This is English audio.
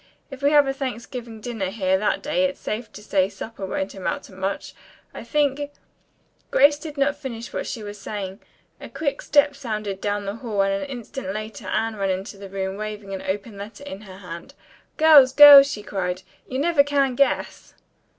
If we have a Thanksgiving dinner here that day it's safe to say supper won't amount to much. I think " Grace did not finish with what she was saying. A quick step sounded down the hall and an instant later Anne ran into the room waving an open letter in her hand. "Girls, girls!" she cried, "you never can guess!"